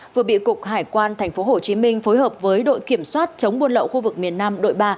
vừa bị cục hải quan tp hcm phối hợp với đội kiểm soát chống buôn lậu khu vực miền nam đội ba